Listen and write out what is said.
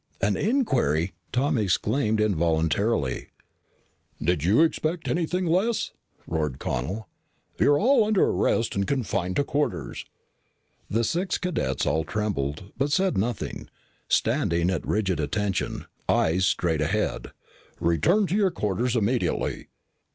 "An inquiry!" Tom exclaimed involuntarily. "Did you expect anything less?" roared Connel. "You are all under arrest and confined to quarters." The six cadets all trembled but said nothing, standing at rigid attention, eyes straight ahead. "Return to your quarters immediately."